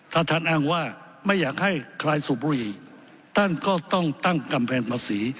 ถ้าท่านอ้างว่าไม่อยากให้ใครสูบบุหรี่ท่านก็ต้องตั้งกำแพงภาษี